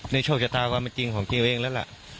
ในโชคจตาว่ามันจริงของชีวิตเองแล้วละ